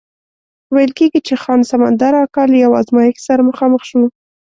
ویل کېږي چې خان سمندر اکا له یو ازمایښت سره مخامخ شو.